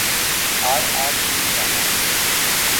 RRB نے کہا